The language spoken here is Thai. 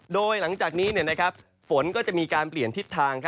โดยหลังจากนี้ฝนก็จะมีการเปลี่ยนทิศทาง